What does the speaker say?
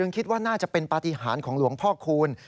คิดว่าน่าจะเป็นปฏิหารของหลวงพ่อคูณ